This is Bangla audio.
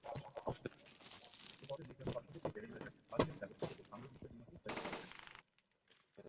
পরে নিজাম পার্শ্ববর্তী বেরেঙ্গা চা-বাগানের ব্যবস্থাপকের বাংলোর নিচে রুমাকে ফেলে চলে যান।